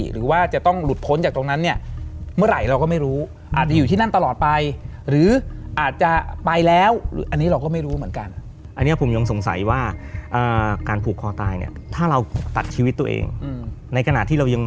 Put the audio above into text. ให้ลูกน้องมาแทนอะ